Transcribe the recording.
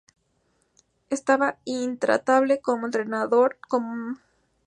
Estaba intratable, como entrenador no me he encontrado con alguien así"".